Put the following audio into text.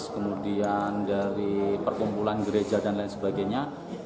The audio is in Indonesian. kemudian dari perkumpulan gereja dan lain sebagainya